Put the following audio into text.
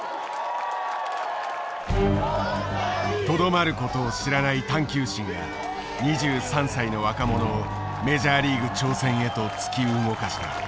とどまることを知らない探求心が２３歳の若者をメジャーリーグ挑戦へと突き動かした。